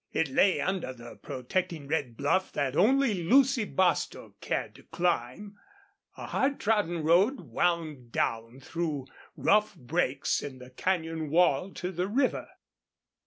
It lay under the protecting red bluff that only Lucy Bostil cared to climb. A hard trodden road wound down through rough breaks in the canyon wall to the river.